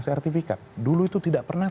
sertifikat dulu itu tidak pernah